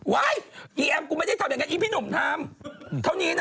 อีแอมกูไม่ได้ทำอย่างนั้นอีพี่หนุ่มทำเท่านี้นะ